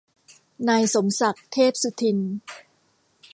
นายสมศักดิ์ เทพสุทิน